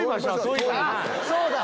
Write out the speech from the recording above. そうだ！